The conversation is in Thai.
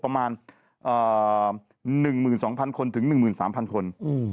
เป็น๑๒๐๐๐คนถึง๑๓๐๐๐คน